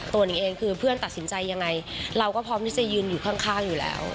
หนิงเองคือเพื่อนตัดสินใจยังไงเราก็พร้อมที่จะยืนอยู่ข้างอยู่แล้ว